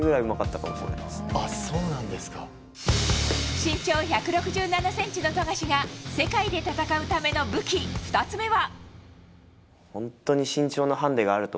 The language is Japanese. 身長１６７ｃｍの富樫が世界で戦うための武器２つ目は。